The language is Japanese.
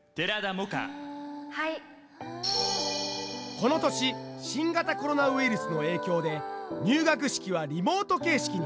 この年新型コロナウイルスの影響で入学式はリモート形式に。